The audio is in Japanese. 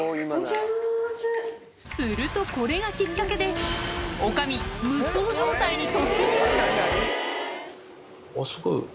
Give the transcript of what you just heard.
すると、これがきっかけで、おかみ、無双状態に突入。